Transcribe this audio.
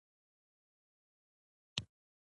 دا په یوویشتمه پېړۍ کې وشول.